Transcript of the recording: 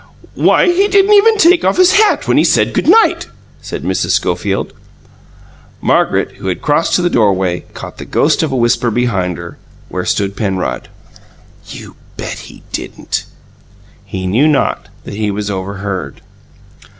"Why, he didn't even take off his hat when he said good night!" said Mrs. Schofield. Margaret, who had crossed to the doorway, caught the ghost of a whisper behind her, where stood Penrod. "YOU BET HE DIDN'T!" He knew not that he was overheard.